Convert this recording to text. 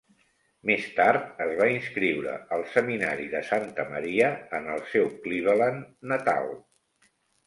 Més tard es va inscriure al Seminari de Santa Maria en el seu Cleveland natal.